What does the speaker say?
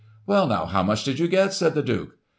* Well, how much did you get ?' said the Duke.